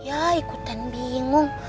ya ikutan bingung